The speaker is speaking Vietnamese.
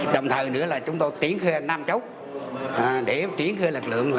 đồng thời nữa là chúng tôi tiến khơi nam chốc để tiến khơi lực lượng